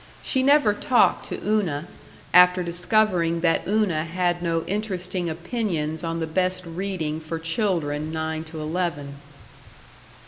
She never talked to Una, after discovering that Una had no interesting opinions on the best reading for children nine to eleven.